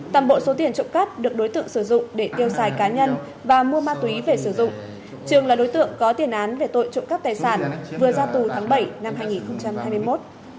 tầm bộ số tiền trộm cắp được đối tượng sử dụng để tiêu xài cá nhân và mua ma túy về sử dụng trường là đối tượng có tiền án về tội trộm cắp tài sản vừa ra tù tháng bảy năm hai nghìn hai mươi một